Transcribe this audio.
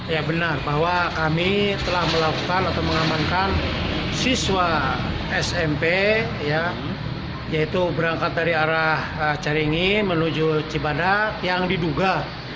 ya benar bahwa kami telah melakukan atau mengamankan siswa smp yaitu berangkat dari arah caringin menuju cibadak yang diduga